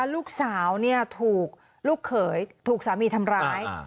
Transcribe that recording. ลูกสาวถูกลูกเขยถูกสามีทำร้าย